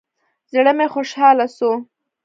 زړه مې خوشاله سو.